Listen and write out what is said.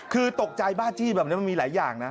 คือตกใจบ้าจี้แบบนี้มันมีหลายอย่างนะ